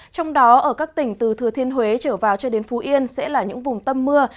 trong đó ở các tỉnh từ thừa thiên huế trở vào cho đến phú yên sẽ là những vùng tâm mưa